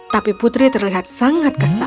tapi putri terlihat sangat kesal